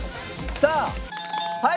さあはい！